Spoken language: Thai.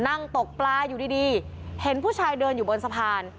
นั่งตกปลาอยู่ดีเห็นผู้ชายเดินอยู่บนสะพาน